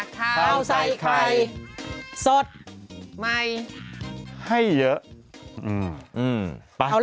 ได้เบียบใจใดถามใส้ใคร